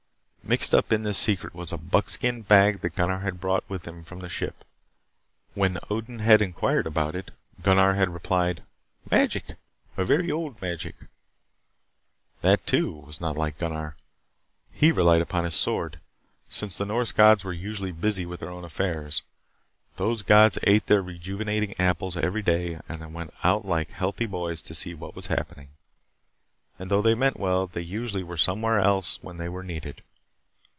Mixed up in this secret was a buckskin bag that Gunnar had brought with him from the ship. When Odin had inquired about it, Gunnar had replied: "Magic. A very old magic." That too was not like Gunnar. He relied upon his sword, since the Norse gods were usually busy with their own affairs. Those gods ate their rejuvenating apples every day and then went out like healthy boys to see what was happening; and though they meant well they usually were somewhere else when they were needed.